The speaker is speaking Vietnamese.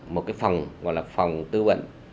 một cái phòng gọi là phòng tư vận